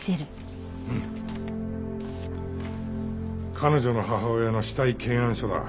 彼女の母親の死体検案書だ。